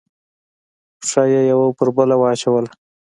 پښه یې یوه پر بله واچوله.